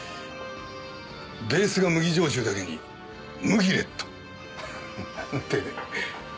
ベースが麦焼酎だけにムギレット。なんて。